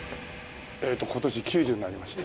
えーと今年９０になりました。